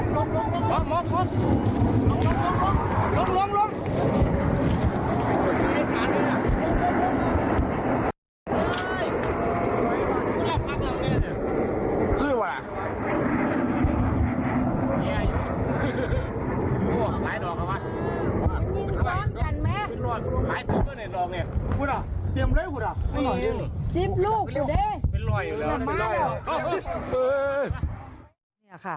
ต้องบินกันไหม